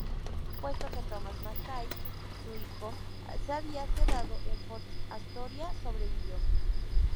Puesto que Thomas MacKay, su hijo, se había quedado en Fort Astoria, sobrevivió.